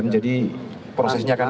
jadi prosesnya akan